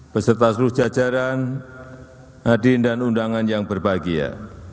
beserta seluruh jajaran hadirin dan undangan yang berbahagia